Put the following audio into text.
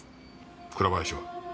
倉林は？